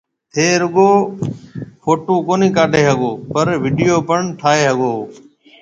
ٿيَ رُگو ڦوٽُو ڪونِي ڪاڊَي ھگو پر ويڊيو پڻ ٺائيَ ھگو ھو